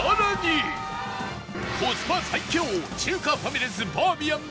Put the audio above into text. コスパ最強中華ファミレスバーミヤンで「